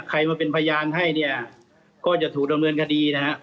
ใครมาเป็นพยานให้เนี่ยก็จะถูกดำเนินคดีนะฮะ